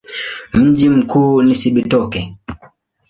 Mji mkuu ni Cibitoke.